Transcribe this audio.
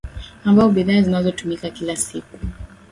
ambao bidhaa zinazotumika kila siku